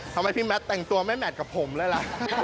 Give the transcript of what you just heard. ทำไมพี่แมทแต่งตัวไม่แมทกับผมเลยล่ะ